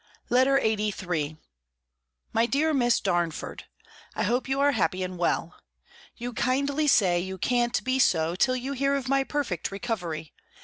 LETTER LXXXIII MY DEAR MISS DARNFORD, I hope you are happy and well. You kindly say you can't be so, till you hear of my perfect recovery.